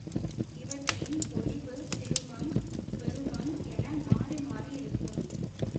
இவற்றின் பொலிவு சிறுமம் பெருமம் என மாறி மாறி இருக்கும்.